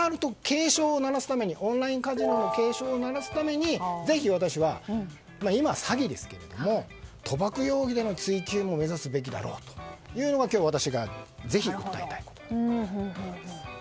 となるとオンラインカジノに警鐘を鳴らすためにぜひ私は、今は詐欺ですけども賭博容疑での追及も目指すべきだろうというのが今日、私がぜひ訴えたいことです。